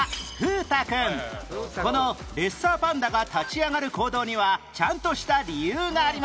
このレッサーパンダが立ち上がる行動にはちゃんとした理由があります